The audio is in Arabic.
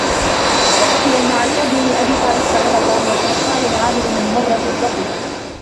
وَحُكِيَ أَنَّ عَلِيَّ بْنَ أَبِي طَالِبٍ كَرَّمَ اللَّهُ وَجْهَهُ قَالَ لِعَامِرِ بْنِ مُرَّةَ الزُّهْرِيِّ